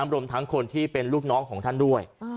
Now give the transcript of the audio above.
รวมทั้งคนที่เป็นลูกน้องของท่านด้วย